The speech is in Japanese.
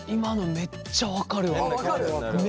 めっちゃ分かる。